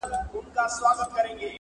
پاته له جهانه قافله به تر اسمانه وړم.